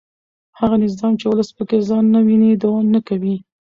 هغه نظام چې ولس پکې ځان نه ویني دوام نه کوي